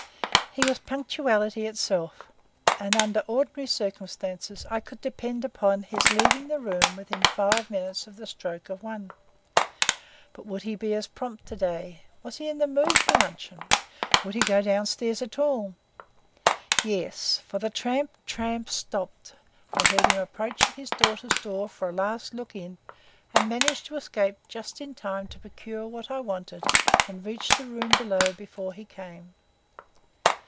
He was punctuality itself, and under ordinary circumstances I could depend upon his leaving the room within five minutes of the stroke of one. But would he be as prompt to day? Was he in the mood for luncheon? Would he go down stairs at all? Yes, for the tramp, tramp stopped; I heard him approaching his daughter's door for a last look in and managed to escape just in time to procure what I wanted and reach the room below before he came.